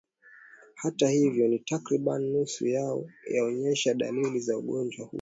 Hata hivyo ni takribani nusu yao huonyesha dalili za ugonjwa huo